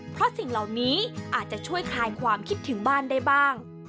เพราะสิ่งเหล่านี้อาจจะช่วยคลายความคิดถึงบ้านได้บ้าง